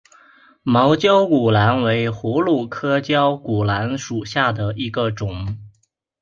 毛绞股蓝为葫芦科绞股蓝属下的一个种。